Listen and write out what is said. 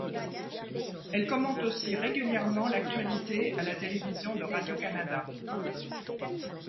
Elle commente aussi régulièrement l'actualité à la télévision de Radio-Canada.